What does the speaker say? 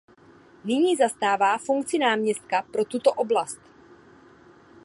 Nyní zastává funkci náměstka pro tuto oblast.